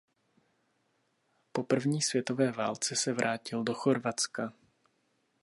Po první světové válce se vrátil do Chorvatska.